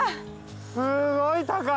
すごい高い！